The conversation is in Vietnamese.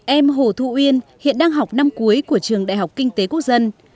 em hồ thụ yên hiện đang học năm cuối của trường đại học kinh tế quốc dân